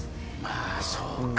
まあそうか。